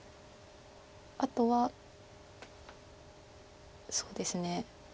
あとはそうですね。